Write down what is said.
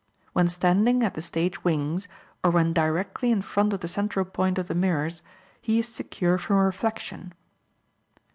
When standing at the stage "wings," or when directly in front of the central "point" of the mirrors, he is secure from reflection.